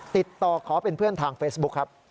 ติดต่อขอเป็นเพื่อนทางเฟซบุ๊คครับ